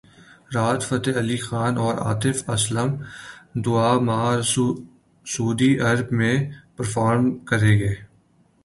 راحت فتح علی خان اور عاطف اسلم رواں ماہ سعودی عرب میں پرفارم کریں گے